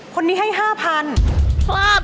คนนี้ให้๕๐๐บาท